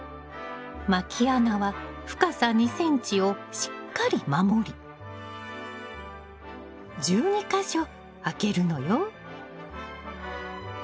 まき穴は深さ２ｃｍをしっかり守り１２か所開けるのよ。